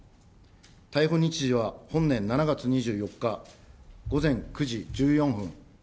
逮捕日時は本年７月２４日午前９時１４分。